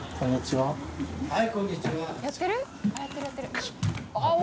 ・はい。